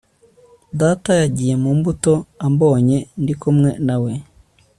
Data yagiye mu mbuto ambonye ndikumwe na we